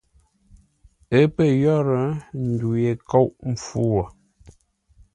Ə́ pə̂ yórə́, ndu ye kôʼ mpfu wo.